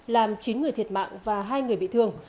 làm chín người thiệt mạng và hai người bị thương